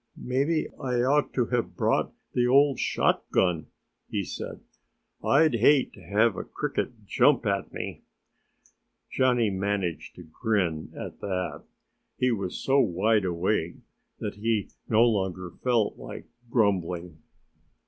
"Maybe I ought to have brought the old shotgun," he said. "I'd hate to have a Cricket jump at me." Johnnie managed to grin at that. He was so wide awake that he no longer felt like grumbling.